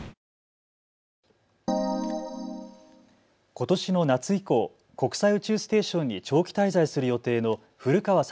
ことしの夏以降、国際宇宙ステーションに長期滞在する予定の古川聡